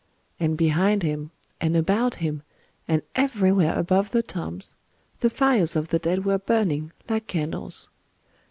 And behind him, and about him, and everywhere above the tombs, the fires of the dead were burning, like candles.